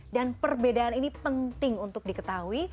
dan perbedaan ini penting untuk diketahui